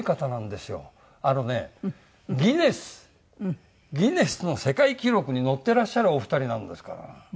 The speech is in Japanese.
あのね『ギネス』『ギネス』の世界記録に載ってらっしゃるお二人なんですから。